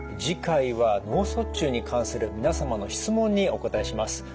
次回は脳卒中に関する皆様の質問にお答えします。